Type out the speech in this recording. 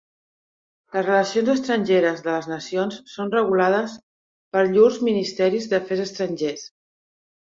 Les relacions estrangeres de les nacions són regulades per llurs ministeris d'afers estrangers.